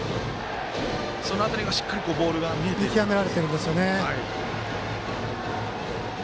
その辺りが、しっかり見極められているんですよね。